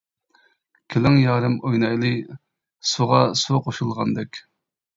كېلىڭ يارىم ئوينايلى، سۇغا سۇ قوشۇلغاندەك.